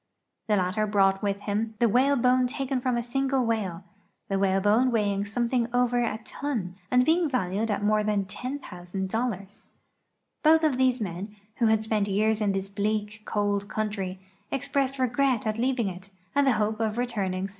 The latter brought with him the whalebone taken from a single whale, the whalebone weighing something over a ton and being valued at more than $10,()0(). lioth of these men, who had spent years in this bleak, cold country, expressed re gret at leaving it and the hope of soon returning.